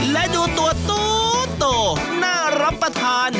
และดูตัวโตน่ารับประทาน